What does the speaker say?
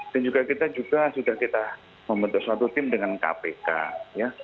dan juga kita sudah membuat suatu tim dengan kpk ya